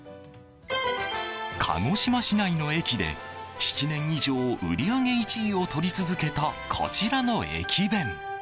鹿児島市内の駅で７年以上売り上げ１位を取り続けたこちらの駅弁。